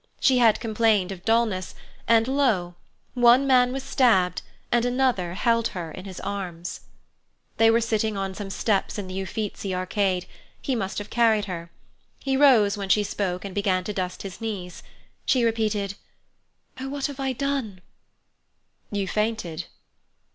She had complained of dullness, and lo! one man was stabbed, and another held her in his arms. They were sitting on some steps in the Uffizi Arcade. He must have carried her. He rose when she spoke, and began to dust his knees. She repeated: "Oh, what have I done?" "You fainted."